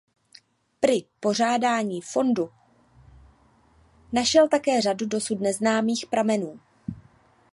Pri pořádání fondu našel také řadu dosud neznámých pramenů.